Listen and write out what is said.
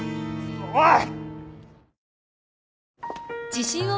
おい！